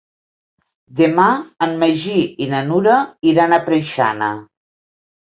Demà en Magí i na Nura iran a Preixana.